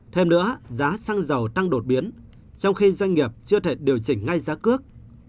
thêm nữa giá xăng dầu tăng đột biến trong khi doanh nghiệp chưa thể điều chỉnh ngay giá cước